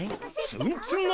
ツンツン頭！